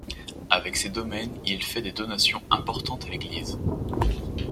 Avec ses domaines il fait des donations importantes à l'église.